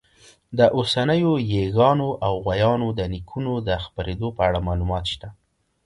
د اوسنیو ییږانو او غویانو د نیکونو د خپرېدو په اړه معلومات شته.